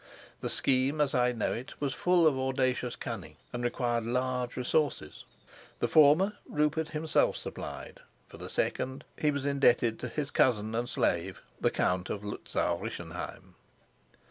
The scheme, as I know it, was full of audacious cunning, and required large resources the former Rupert himself supplied; for the second he was indebted to his cousin and slave, the Count of Luzau Rischenheim.